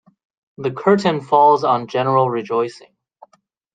The curtain falls on general rejoicing.